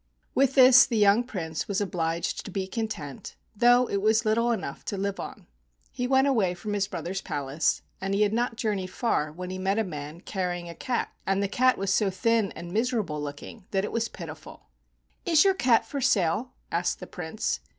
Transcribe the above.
With this the young Prince was obliged to be content, though it was little enough to live on. He went away from his brother's palace, and he had not 30 AN EAST INDIAN STORY journeyed far when he met a man carrying a cat, and the cat was so thin and miserable looking that it was pitiful. "Is your cat for sale ?" asked the Prince.